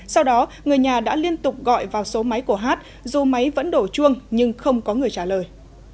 sau đó người nhà đã liên tục gọi vào số máy của hát dù máy vẫn đổ chuông nhưng không có người trả lời